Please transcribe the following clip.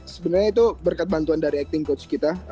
sebenarnya itu berkat bantuan dari acting coach kita